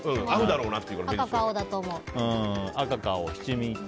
赤か青だと思う。